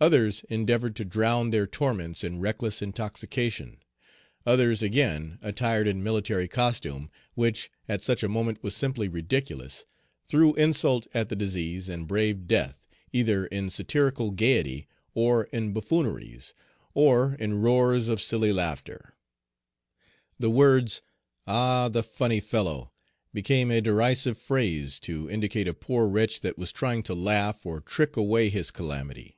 Others endeavored to drown their torments in reckless intoxication; others, again, attired in military costume, which at such a moment was simply ridiculous, threw insult at the disease, and braved death, either in satirical gayety or in buffooneries, or in roars of silly laughter. The words "Ah! the funny fellow," became a derisive phrase to indicate a poor wretch that was trying to laugh or trick away his calamity.